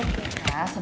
kayaknya kita udah bisa